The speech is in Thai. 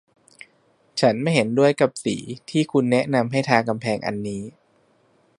ฉันไม่เห็นด้วยกับสีที่คุณแนะนำให้ทากำแพงอันนี้